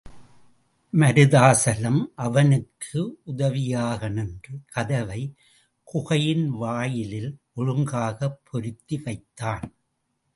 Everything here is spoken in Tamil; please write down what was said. மருதாசலம் அவனுக்கு உதவியாக நின்று, கதவைக் குகையின் வாயிலில் ஒழுங்காகப் பொருத்தி வைத்தான்.